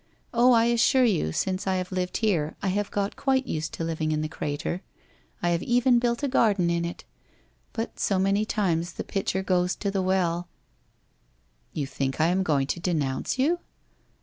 Oh, I assure you since I have lived here I have got quite used to living in the crater. I WHITE ROSE OF WEARY LEAF 351 had even built a garden in it. But so many times the pitcher goes to the well '' You think I am going to denounce you